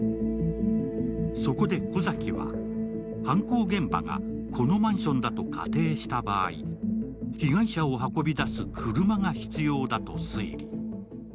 そこで小崎は、犯行現場がこのマンションだと仮定した場合、被害者を運び出す車が必要だと推理。